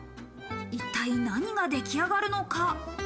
一体何ができ上がるのか？